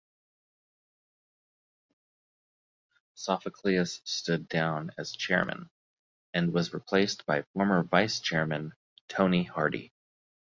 Sophocleous stood down as chairman and was replaced by former vice-chairman Tony Hardy.